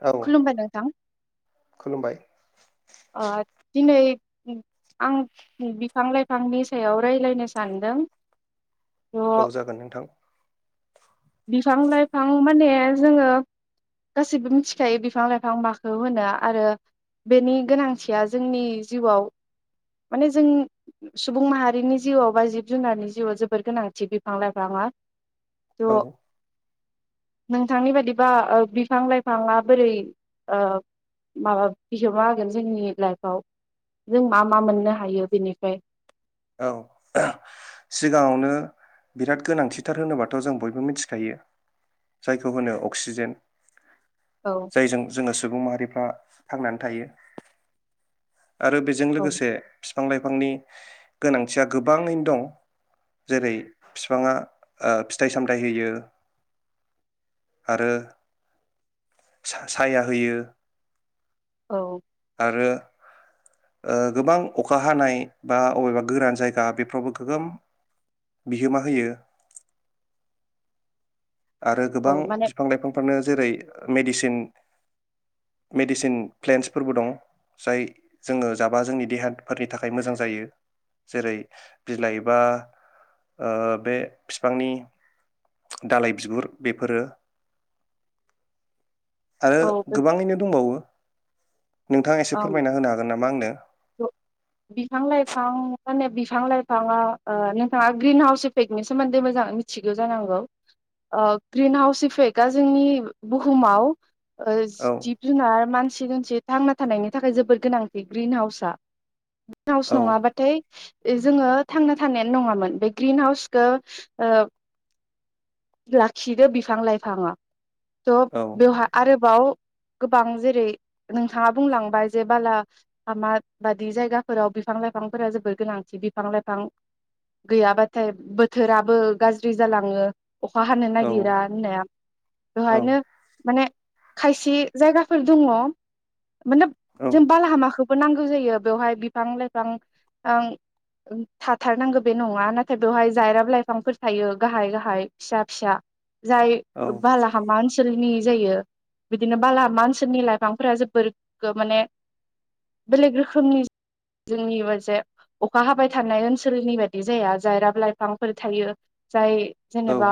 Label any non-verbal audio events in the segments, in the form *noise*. औ खुलुमबाय नोंथां खुलुमबाय अ दिनै आं बिफां लाइफांनि सायाव रायलायनो सानदों, औ थ' जागोन नोंथां बिफां लाइफां माने जोङो गासैबो मिथिखायो बिफां लाइफां माखौ होनो आरो बेनि गोनांथिया जोंनि जिउआव माने जों सुबुं माहारिनि जिउआव बा जिब जुनारनि जिउआव जोबोर गोनांथि बिफां लाइफाङा औ थ' नोंथांनि बायदिबा ओ बिफां लाइफाङा बोरै ओ माबा बिहोमा होगोन जोंनि लाइफआव जों मा मा मोननो हायो बेनिफ्राय? औ सिगाङावनो बिराद गोनांथिथार होनोबाथ' जों बयबो मिथिखायो जायखौ होनो अक्सिजेन औ जायजों जोङो सुबुं माहारिफ्रा थांनानै थायो। आरो बेजों औ लोगोसे फि फां लाइफांनि गोनांथिया गोबाङैनो दं जेरै फिफाङा ओ फिथाइ सामथायाइ होयो आरो सा-साया होयो। औ। आरो ओ गोबां अखा हानाय बा अबेबा गोरान जायगा बेफोरावबो गोबां बिहोमा होयो। आरो गोबां औ माने बिफां लाइफांफोरानो जेरै मेडिसिन मेडिसिन प्लेन्टसफोरबो दं जाय जोङो जाबा जोंनि देहाफोरनि थाखाय मोजां जायो। जेरै बिलाइ बा ओ बे फिफांनि दालाइ बिगुर बेफोरो आरो औ बे गोबाङैनो दंबावो नोंथाङा एसे ओम फोरमायना होनो हागोन नामा आंनो? बिफां लाइफां माने बिफां लाइफाङा ओ नोंथाङा ग्रिन हाउस इफेक्टनि सोमोन्दै मोजां मिथिगौ जानांगौ ओ ग्रिन हाउस इफेक्टआ जोंनि बुहुमाव ओ औ जिब जुनार मान सि दोनसि थांना थानायनि थाखाय जोबोर गोनांथि ग्रिन हाउस आ। *unintelligible* औ नङाबाथाय जोङो थांना थानायानो नङामोन बे ग्रिन हाउसखौ लाखिदो बिफां लाइफाङा। थ' औ बेवहा आरो गोबाव गोबां जेरै नोंथाङा बुंलांबाय जे बाला हंगामा बादि जायगाफोराव बिफां लाइफांफोरा जोबोर गोनांथि बिफां लाइफां गैयाबाथाय बोथोराबो गाज्रि जालाङो अखा हानो औ नागिरा होननाया औ बेवहायनो माने खायसे जायगाफोर दङ माने औ जों बालाहामाखौबो नां गुजायो बेवहाय बिफां लाइफां थाथारनांगौ बे नङा नाथाय बेवहाय जायराब लाइफांफोर थायो गाहाय गाहाय फिसा फिसा जाय औ बाला हामासि ओनसोलनि जायो बिदिनो बालामा ओनसोलनि लाइफांफोरा जोबोर माने बेलेग रोखोमनि जोंनि मोनसे अखा हाबाय थानाय ओनसोलनि बाददि जाया जाय राब लाइफांफोर थायो जाय जेनेबा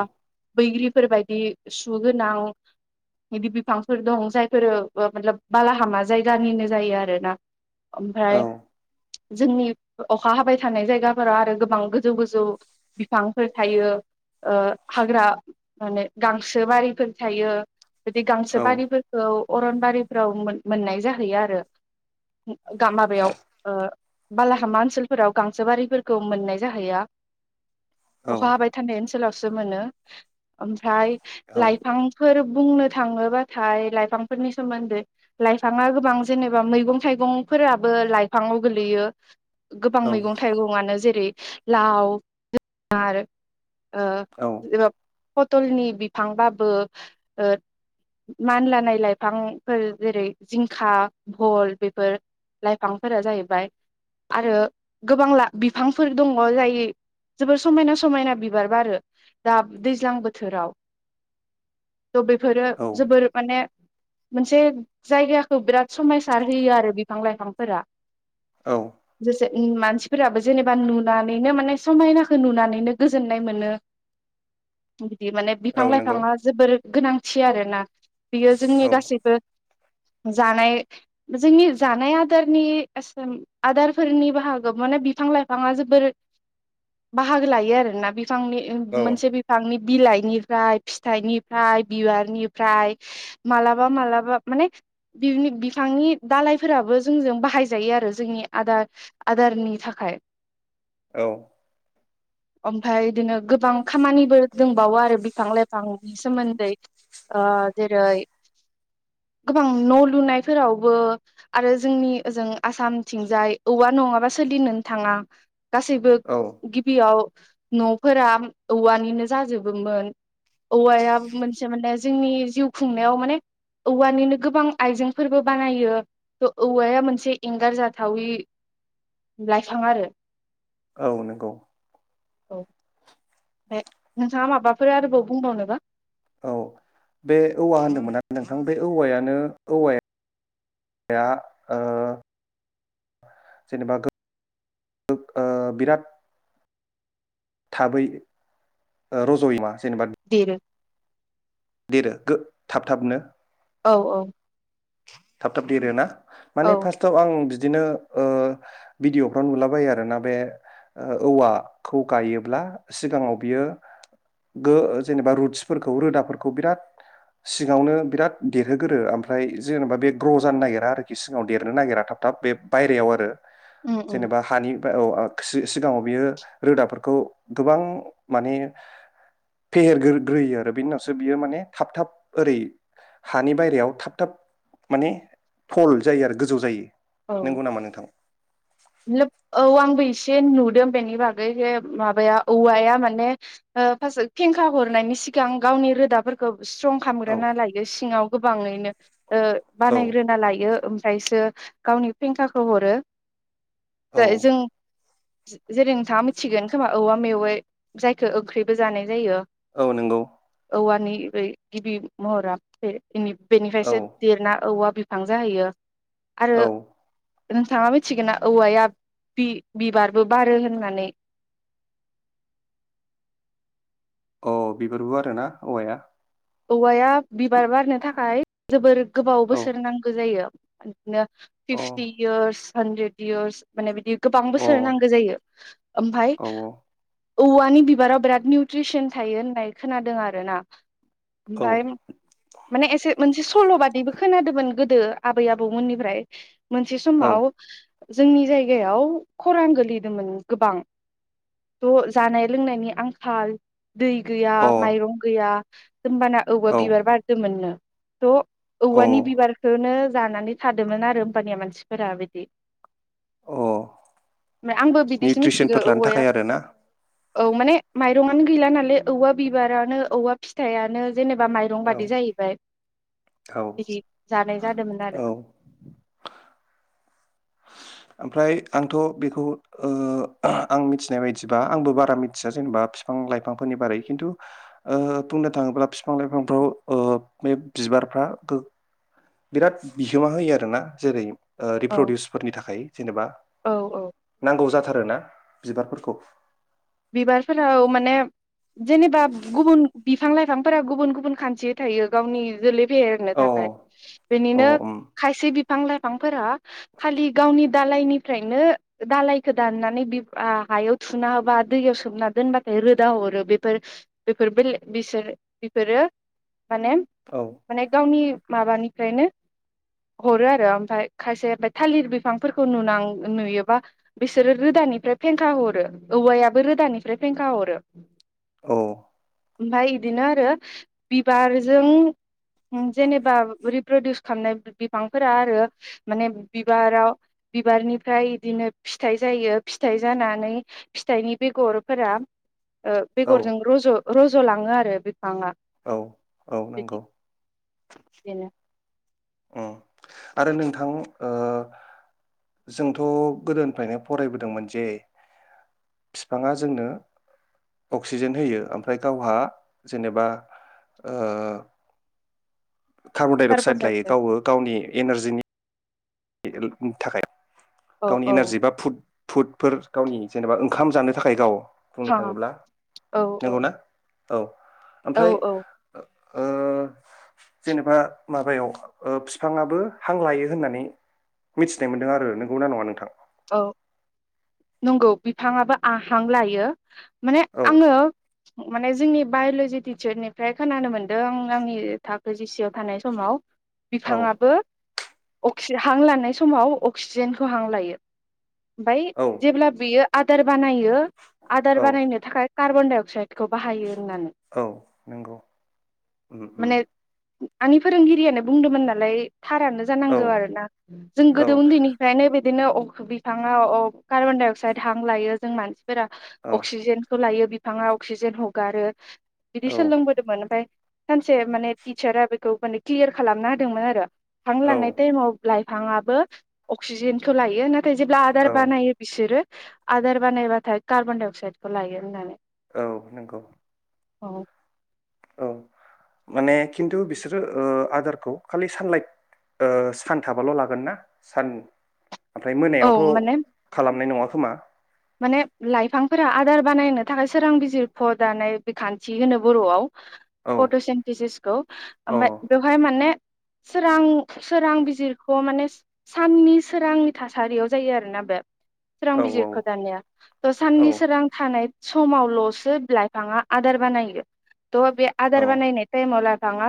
बैग्रिफोर बायदि सुगोनां बिदि बिफांफोर दं जायफोर ओ माथलोब बालाहामा जायगानिनो जायो आरो ना औ ओमफ्राय जोंनि अखा हाबाय थानाय जायगाफोराव आरो गोबां गोजौ गोजौ बिफांफोर थायो ओ हाग्रा माने गांसो बारिफोर थायो बिदि औ गांसो बारिफोरखौ अरनबारिफ्राव मोन-मोननाय जाहैयो आरो गा माबायाव बालाहामा ओनसोलफोराव गांसो बारिफोरखौ मोननाय जाहैया अखा हाबाय थानाय ओनस सोलावसो मोनो ओम ओमफ्राय लाइफांफोर बुंनो थाङोब्लाथाय लाइफांफोरनि सोमोन्दै लाइफाङा गोबां जेनेबा मैगं थाइगं फोराबो लाइफाङाव गोलैयो गोबां मैगं थाइगंआनो जे *unintelligible* लाव औ *unintelligible* ओ *unintelligible* फटलनि बिफांबाबो ओ मान लानाय लाइफांफोर जेरै जिंखा भल बेफोर लाइफांफोरा जाहैबाय आरो गोबां ला बिफांफोर दङ जाय जोबोर समायना समायना बिबार बारो दा दैज्लां बोथोराव त' बेफोरो जोबोर माने मोनसे जायगाखौ बिराद समायसार होयो आरो बि फां लाइफांफोरा औ *unintelligible* मानसिफोराबो जेनेबा नुनानैनो माने समायनाखौ नुनानैनो गोजोननाय मोनो बि माने बिफां औ नंगौ लाइफाङा जोबोर गोनांथि आरो ना बियो जोंनि औ गासैबो जानाय जोंनि जानाय आदारनि *unintelligible* आदारफोरनि बाहागो माने बिफां लाइफाङा जोबोर बाहागो लायो आरोना बि फांनि औ *unintelligible* मोनसे बिफांनि बिलाइनिफ्राय फिथाइनिफ्राय बिबारनिफ्राय मालाबा मालाबा माने *unintelligible* बिफांनि दालाइ फोराबो जोंजों बाहाय जायो आरो जोंनि आदार आदारनि थाखाय औ ओमफाय इदिनो गोबां खामानिबो दोंबावो आरो बिफां लाइफांनि सोमोन्दै ओ जेरै गोबां न' लुनायफोरावबो आरो जोंनि ओजों आसामथिंजाय औवा नङाबा सोलिनोन थाङा गासैबो औ गिबियाव न'फोरा औवानिनो जाजोबोमोन औवाया मोनसे माने जोंनि जिउ खुंनायाव माने औवानिनो गोबां आइजेंफोरबो बानायो थ' औवाया मोनसे एंगार जाथावि लाइफां आरो औ नोंगौ औ नोंथाङा माबाफोर आरोबाव बुंबावनोबा? औ बे औवा होनदोंमोन *unintelligible* नोंथां बे औवायानो *unintelligible* ओ जेनेबा गो ओ बिराद थाबै ओ रज'यो मा जेनेबा देरो देरो गो थाब थाबनो औ औ थाब थाब देरो ना? औ माने फार्स्टआव आं बि दिनो ओ बिदिअ फ्राव नुलाबायो आरोना बे औवाखौ गायोब्ला सिगाङाव बियो गो जेनेबा रुतसफोरखौ रोदाफोरख खौ बिराद सिङावनो बिराद देरहोगोरो ओमफ्राय जेनेबा बे ग्र' जानो नागिरा आरोखि सिङाव देरनो नागिरा थाब थाब बे बायरायाव आरो उम उम जेनेबा हानि फ्राय औ सि-सिगाङाव बियो रोदाफोरखौ गोबां माने फेहेरग्रो ग्रोयो आरो बेनि उन सो बियो माने थाब थाब ओरै हानि बायेरायाव थाब थाब माने थल जायो आरो गोजौ जायो। औ नंगौ नामा नोंथां? लोब औ आंबो एसे नुदों बेनि बागै जे माबाया औवाया माने ओ फास्थआव फेंखा हरनायनि सिगां गावनि रोदाफोरखौ स्ट्रं औ खालामग्रोना लायो सिङाव। गोबाङैनो ओ औ बानायग्रोना लायो फ्रायसो गावनि फेंखाखौ हरो। औ जाय जों जेरै नोंथाङा मिथिगोन खोमा औवा मेवै जायखौ ओंख्रिबो जानाय जायो औ नंगौ औवानि बे गिबि महरा बे औ बेनिफ्रायसो देरना औवा बिफां जाहैयो। आरो औ नोंथाङा मि थिगोना औवाया बि-बिबारबो बारो होननानै औ बिबारबो आरोना औवाया? औवाया बिबार बारनो थाखाय जोबोर गोबाव औ बोसोर नांगौ जायो *inaudible* बिनो अ फिफटि इयार्स हान्ड्रेड इयार्स माने बिदि गोबां अ औ बोसोर नांगौ जायो ओमफ्राय औ औवानि बिबाराव बिराद निउट्रिसन थायो होननाय खोनादों आर ना। औ ओमफ्राय माने एसे मोनसे सल' बादिबो खोनादोमोन गोद- दो आबै आबौमोननिफ्राय। मोनसे अ समाव जोंनि जायगायाव खरां गोलैदोंमोन गोबां ट' जानाय लोंनायनि आंखाल दै गैया माइरं गैया होमबाना औवा औ बिबार बारदोमोननो त अ औवानि बिबारखौनो जानानै थादोमोन आरो हमबानिया मानसि- फोरा बिदि अ ओमफ्राय आंबो बिदिसो मिथिगौ निउट्रिसनफोर लानो औवाया थाखाय आरोना औ माने माइरंआनो गैला नालाय औवा बिबारानो औवा फिथाइयानो जेनेबा माइरं औ बादि जाहैबाय औ बिदि जानाय जादोंमोन आरो औ ओमफ्राय आंथ' बेखौ अ आं मिथिनाय बायदिबा आंबो बारा मिथिया जेनेबा बिफां लाइफांफोरनि बारै खिन्थु अ बुंनो थाङोब्ला बिफां लाइफांफ्राव अ बे बिबारफ्रा गो- बिराद बिहोमा होयो आरोना जेरै- अ औ रिप्रदिउसफोरनि थाखाय जेनेबा औ औ नांगौ जाथारोना बिबारफोरखौ बिबारफोराव माने जेनेबा गुबुन बिफां लाइफांफोरा गुबुन गुबुन खान्थि थायो गावनि जोलै फेहेरनो औ थाखाय बिनिनो औ उम खायसे बिफां लाइफांफोरा खालि गावनि दालायनि- फ्रायनो दालायखौ दाननानै बिफा हायाव थुना होबा दैयाव सोमना दोनबाथाय रोदा हरो बेफोर-बेफोर बेले बिसोर बिफोरो औ माने-माने गावनि माबानिफ्रायनो हरो आरो ओमफ्राय खायसे थालिर बिफांफोरखौ नुनां नुयोबा बिसोरो रोदानिफ्राय फेंखा हरो औवाया- बो रोदानिफ्राय फेंखा हरो औ ओमफफ्राय बिदिनो आरो बिबारजों जेनेबा रिप्रदिउस खालामनाय बिफांफोरा आरो माने बिबाराव बिबारनिफ्राय बिदिनो फिथाइ जायो फिथाइ जानानै फिथाइनि बेगरफोरा औ बेगरजों रज रज लाङो आरो बिफाङा औ औ बिदि नंगौ बिदिनो आरो नोंथां जोंथ गोदोनिफ्रायनो फरायबोदोंमोन जे बिफाङा जोंनो अक्सिजेन होयो ओमफ्राय गावहा जेनेबा कार्बन डाइ अक्साइद लायो गावबो गावनि एनारजिनि थाखाय औ गावनि औ एनारजि बा फुद फुदफोर गावनि जेनेबा ओंखाम जानो थाखाय गाव बुंनो हा थाङोब्ला औ औ नंगौ ना औ औ ओमफ्राय औ जेनेबा माबायाव बिफाङाबो हां लायो होननानै मिथिनाय मोनदों आरो नंगौना नङा नोंथां औ नंगौ बिफाङाबो हां लायो माने औ आङो माने जोंनि बायलजि टिचारनिफ्राय खोनानो मोनदों आं आंनि थाखो जिसिव थानाय समाव औ बिफाङाबो हां लानाय समाव अक्सिजेनखौ हां लायो। आफ्राय औ जेब्ला बियो आदार बानायो आदार औ बानायनो थाखाय कार्बन डाइ अक्साइडखौ बाहायो। होननानै औ नंगौ उम उम। माने आंनि फोरोंगिरियानो बुंदोंमोन नालाय थारानो औ जानांगौ आरो ना जों औ गोदो उन्दैनिफ्रायनोै बे बिदिनो अ बिफाङाव कार्बनडाइ अक्साइद हां लायो जों मानसिफोरा औ अक्सिजेनखौ लायो बिफाङा अक्सिजेन हगारो बिदि औ सोलोंबोदोंमोन ओमफ्राय सानसे माने टिचारा बेखौ माने क्लियार खालामना होदोंमोन आरो हां लानाय औ टाइमाव लाइफाङाबो अक्सिजेनखौ लायो नाथाय नथाय जेब्ला आदार औ बानायो बिसोरो आदार बानायबाथाय कार्बन डाइ अक्साइदखौ लायो होननानै। औ नंगौ। औ। औ माने खिन्थु बिसोरो आदारखौ खालि सानलाइट सान थाबाल लागोन ना सान ओमफ्राय औ मोनायावथ माने खालामनाय नङा। समा माने लाइफां फोरा आदार बानायनो थाखाय सोरां बिजिरख दानाय बिखान्थि होनो बरआव। औ फटसेन्टेसिसखौ औ ओमफ्राय बेवहाय माने सोरां सोरां बिजिरखौ माने साननि सोरांनि थासारियाव जायो आरोना बे। सोरां औ बिजिर दानिया थ औ साननि सोरां थानाय समावलसो लाइफाङा आदार बानायो थ बे औ आदार बानायनाय टाइमाव लाइफाङा।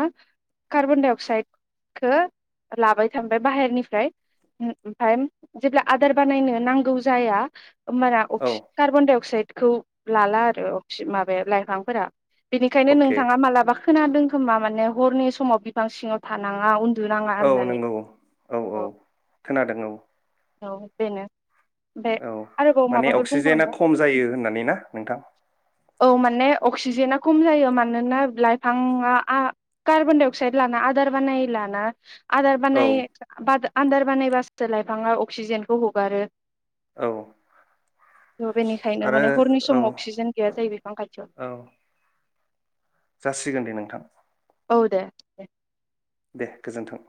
कार्बन डाइ अक्साइडखौव लाबाय थांबाय बाहेरनिफ्राय ओमफ्राय जेब्ला आदार बानायनो नांगौ जाया ओमबाना औ कार्बन डाय अक्साइड खौ लाला आरो माबाया लाइफांफोरा। बिनिखायनो अके नोंथाङा खोनादों खोमा माने हरनि समाव बिफां सिङाव थानाङा उन औ नंगौ औ औ खोनादों औ। औ बेनो ओमफाय औ माने अक्सिजेना खम जायो होननानै ना नोंथां? औ माने अक्सिजेना खम जायो मानोना? लाइफाङा कार्बन डाइ अक्साइद लाना आदार बानाय लाना आदार औ बानाय *unintelligible* आदार बानायबासो लाइफाङा अक्सिजेनखौ हगारो। औ थ बेनिखायनो आरो माने हरनि औ समाव अक्सिजेन गैया जायो बिफां खाथियाव। औ जासिगोन दे नोंथां। औ दे। दे गोजोन्थों।